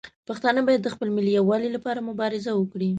پښتانه باید د خپل ملي یووالي لپاره مبارزه وکړي.